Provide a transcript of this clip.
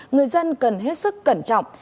người dân cần hết sức cẩn trọng